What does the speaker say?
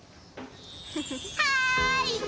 はい！